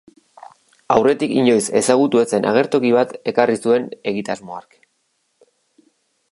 Aurretik inoiz ezagutu ez zen agertoki bat ekarri zuen egitasmo hark.